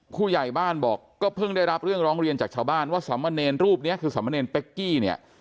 ผู้ใหญ่บ้านบอกก็เพิ่งได้รับเรื่องร้องเรียนจากชาวบ้านว่าสามเณรรูปนี้คือสมเนรเป๊กกี้เนี่ย